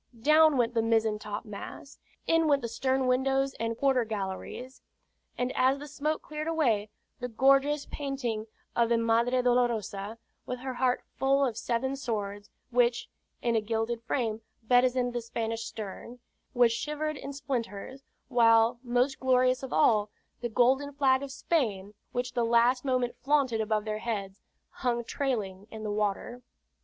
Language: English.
Down went the mizzen topmast, in went the stern windows and quarter galleries; and as the smoke cleared away, the gorgeous painting of the Madre Dolorosa, with her heart full of seven swords, which, in a gilded frame, bedizened the Spanish stern, was shivered in splinters; while, most glorious of all, the golden flag of Spain, which the last moment flaunted above their heads, hung trailing in the water.